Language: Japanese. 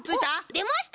でました！